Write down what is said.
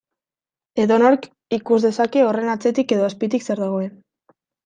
Edonork ikus dezake horren atzetik edo azpitik zer dagoen.